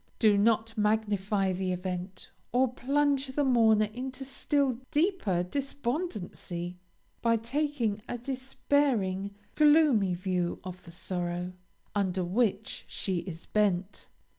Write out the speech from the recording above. Do not magnify the event, or plunge the mourner into still deeper despondency by taking a despairing, gloomy view of the sorrow, under which she is bent.